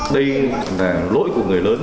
đây là lỗi của người lớn